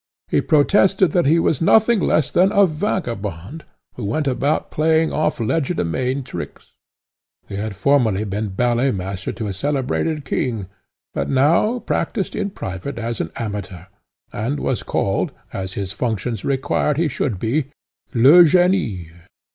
He protested that he was nothing less than a vagabond, who went about playing off legerdemain tricks; he had formerly been ballet master to a celebrated king, but now practised in private as an amateur, and was called, as his functions required he should be, Legénie.